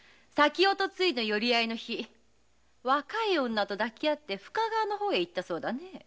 寄合いの日若い女と抱き合って深川の方へ行ったそうだね。